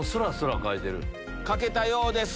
書けたようです